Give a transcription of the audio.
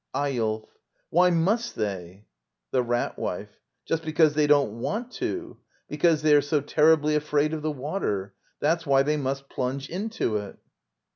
Eyolf. Why must they? The Rat Wife. Just because they don't want to. Because they are so terribly afraid of the water. — That's why they must plunge into it.